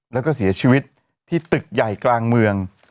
แล้วก็เสียชีวิตที่ตึกใหญ่กลางเมือง